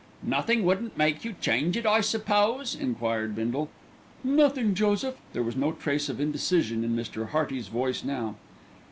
"Nothink wouldn't make you change it, I suppose?" enquired Bindle. "Nothing, Joseph." There was no trace of indecision in Mr. Hearty's voice now.